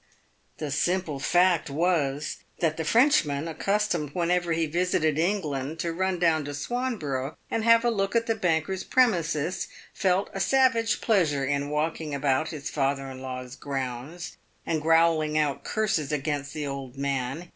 The simple fact was, that the Frenchman, accustomed whenever he visited England to run down to Swanborough and have a look at the banker's premises, felt a savage pleasure in walking about his father in law's grounds, and growling out curses against the old man.